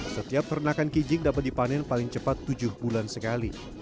setiap ternakan kijing dapat dipanen paling cepat tujuh bulan sekali